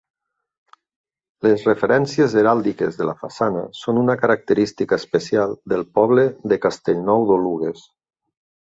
Les referències heràldiques de la façana són una característica especial del poble de Castellnou d'Oluges.